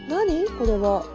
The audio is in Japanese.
これは。